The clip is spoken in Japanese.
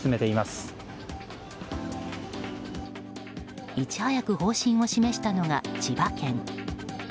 いち早く方針を示したのが千葉県。